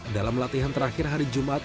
dalam latihan terakhir hari jumat